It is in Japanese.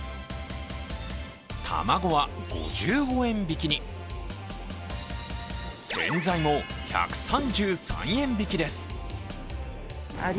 卵は５５円引きに、洗剤も１３３円引きです。